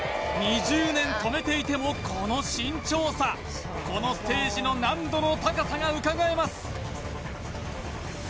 ２０年止めていてもこの慎重さこのステージの難度の高さがうかがえます